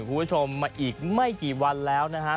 คุณผู้ชมมาอีกไม่กี่วันแล้วนะครับ